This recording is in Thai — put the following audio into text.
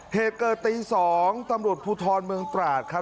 เหตุเกิดตี๒ตำรวจภูทรเมืองตราดครับ